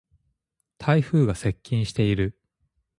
台風が接近している。